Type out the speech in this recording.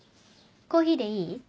コーヒーでいい？